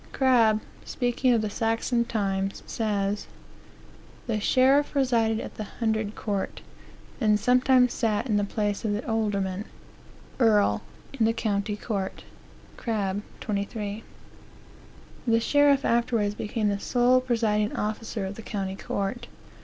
Crabbe, speaking of the Saxon times, says: "The sheriff presided at the hundred court, and sometimes sat in the place of the alderman (earl) in the county court." Crabbe, 23. The sheriff afterwards became the sole presiding officer of the county court.